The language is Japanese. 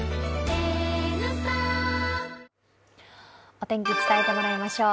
お天気伝えてもらいましょう。